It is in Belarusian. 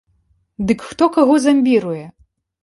Дык хто каго замбіруе?